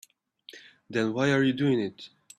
Then why are you doing it?